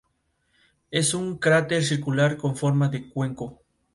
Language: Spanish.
Es un cráter circular con forma de cuenco.